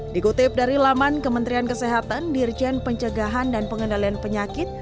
dikutip dari laman kementerian kesehatan dirjen pencegahan dan pengendalian penyakit